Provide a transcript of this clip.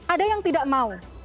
ada yang tidak mau